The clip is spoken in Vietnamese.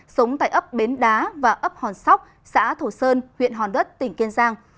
sống tại ấp bến đá và ấp hòn sóc xã thổ sơn huyện hòn đất tỉnh kiên giang